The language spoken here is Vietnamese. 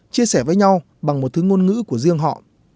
chia sẻ với nhau bằng một thứ ngôn ngữ của riêng họ